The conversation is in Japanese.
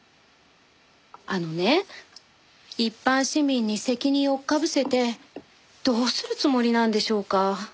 あのね一般市民に責任おっかぶせてどうするつもりなんでしょうか。